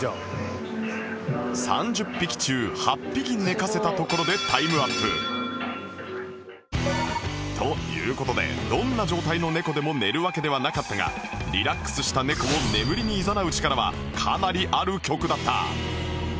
３０匹中８匹寝かせたところでタイムアップという事でどんな状態の猫でも寝るわけではなかったがリラックスした猫を眠りにいざなう力はかなりある曲だった